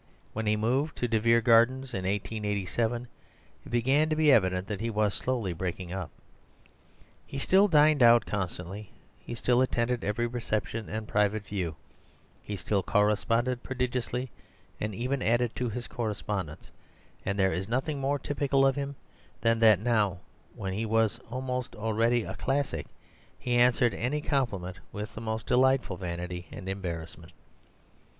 When he moved to De Vere Gardens in 1887, it began to be evident that he was slowly breaking up. He still dined out constantly; he still attended every reception and private view; he still corresponded prodigiously, and even added to his correspondence; and there is nothing more typical of him than that now, when he was almost already a classic, he answered any compliment with the most delightful vanity and embarrassment.